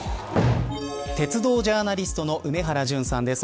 鉄道ジャーナリストの梅原淳さんです。